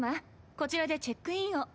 こちらでチェックインを。